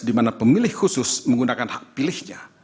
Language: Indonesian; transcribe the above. di mana pemilih khusus menggunakan hak pilihnya